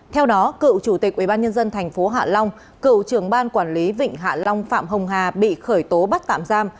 theo đó cựu chủ tịch ubnd tp hạ long cựu trưởng ban quản lý vịnh hạ long phạm hồng hà bị khởi tố bắt tạm giam